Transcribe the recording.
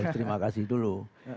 terima kasih dulu